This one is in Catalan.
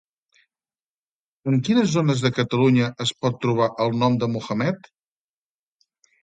En quines zones de Catalunya es pot trobar el nom de Mohamed?